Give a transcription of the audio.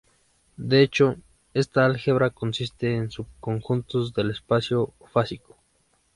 De hecho, esta álgebra consiste de subconjuntos del espacio fásico.